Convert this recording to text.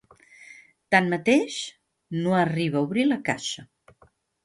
Tanmateix, no arriba a obrir la caixa.